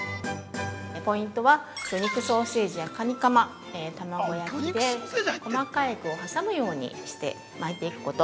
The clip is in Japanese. ◆ポイントは魚肉ソーセージやカニカマ、卵焼きで細かい具を挟むようにして巻いていくこと。